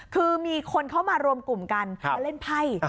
คือมีคนเข้ามารวมกลุ่มกันมาเล่นไพ่